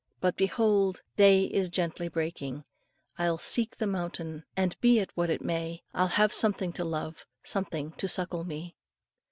But behold, day is gently breaking. I'll seek the mountain, and be it what it may, I'll have something to love, something to suckle me."